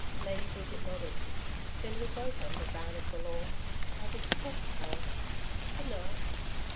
Lady Bridget nodded. 'Then we're both under ban of the Law. I DETEST Harris.... Good night.'